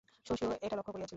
শশীও এটা লক্ষ করিয়াছিল।